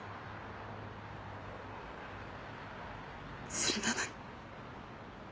それなのに。